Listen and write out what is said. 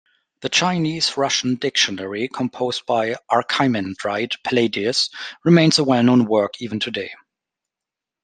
The Chinese-Russian Dictionary composed by Archimandrite Palladius remains a well-known work even today.